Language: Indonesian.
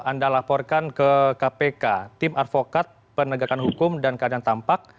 anda laporkan ke kpk tim advokat penegakan hukum dan keadaan tampak